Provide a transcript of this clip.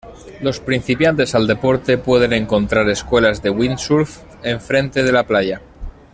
Los principiantes al deporte pueden encontrar escuelas de windsurf enfrente de la playa.